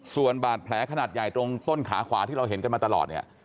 ส่วนบาดแผลขนาดใหญ่ตรงต้นขาขวาที่เราเห็นกันมาตลอดเนี่ย